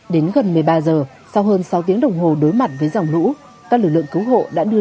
đến gần một mươi ba giờ sau hơn sáu tiếng đồng hồ đối mặt với dòng lũ các lực lượng cứu hộ đã đưa